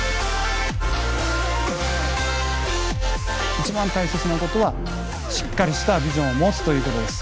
一番大切なことはしっかりしたビジョンを持つということです。